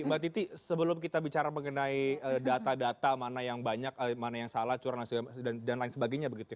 mbak titi sebelum kita bicara mengenai data data mana yang banyak mana yang salah curang dan lain sebagainya begitu ya